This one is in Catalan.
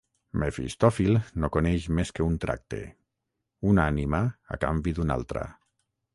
Mefistòfil no coneix més que un tracte: una ànima a canvi d'una altra.